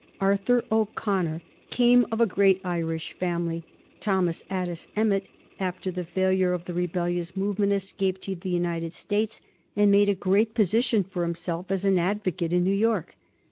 Arthur O'Connor came of a great Irish family; Thomas Addis Emmet, after the failure of the rebellious movement, escaped to the United States and made a great position for himself as an advocate in New York.